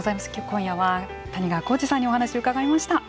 今夜は谷川浩司さんにお話を伺いました。